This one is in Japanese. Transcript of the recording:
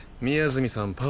宮澄さん